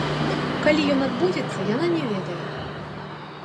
Калі ён адбудзецца, яна не ведае.